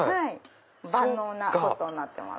万能なポットになってます。